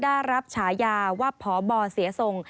ได้รับฉายาว่าพบเสียทรง